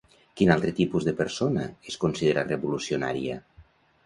Quin altre tipus de persona es considera revolucionària?